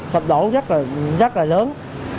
sụp đổ rất là lớn